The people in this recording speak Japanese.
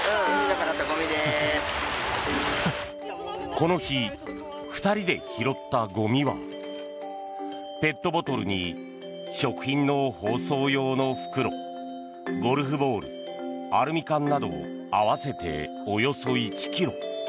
この日、２人で拾ったゴミはペットボトルに食品の包装用の袋ゴルフボール、アルミ缶など合わせておよそ１ｋｇ。